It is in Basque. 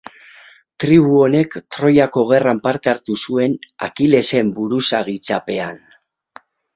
Tribu honek, Troiako gerran parte hartu zuen, Akilesen buruzagitzapean.